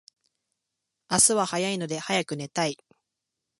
明日は早いので早く寝たい